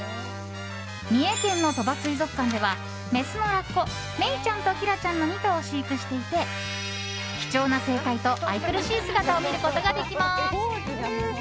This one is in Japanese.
三重県の鳥羽水族館ではメスのラッコメイちゃんとキラちゃんの２頭を飼育していて貴重な生態と愛くるしい姿を見ることができます。